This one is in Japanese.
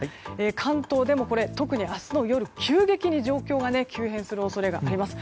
関東でも特に明日の夜、急激に状況が急変する恐れがあります。